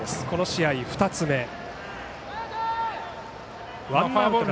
この試合、２つ目。